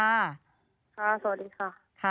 ค่ะสวัสดีค่ะ